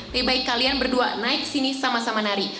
lebih baik kalian berdua naik sini sama sama nari